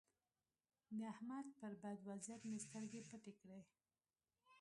د احمد پر بد وضيعت مې سترګې پټې کړې.